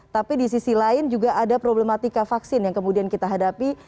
tapi di sisi lain juga ada problematika vaksin yang kemudian kita hadapi